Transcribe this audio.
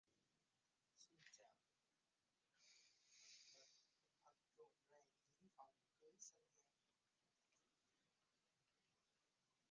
Thật rộn ràng những phòng cưới sân ga